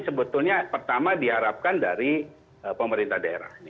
sebetulnya pertama diharapkan dari pemerintah daerah